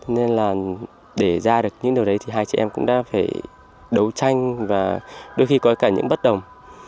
nên là để ra được những điều đấy thì hai chị em cũng đã phải đấu tranh và đôi khi có cả những bất đồng